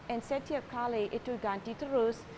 and setiap kali itu ganti terus